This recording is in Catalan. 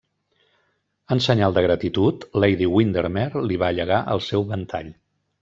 En senyal de gratitud, Lady Windermere li va llegar el seu ventall.